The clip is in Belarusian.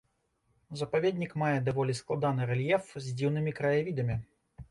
Запаведнік мае даволі складаны рэльеф з дзіўнымі краявідамі.